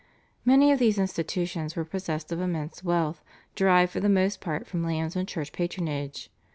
Many of these institutions were possessed of immense wealth, derived for the most part from lands and church patronage.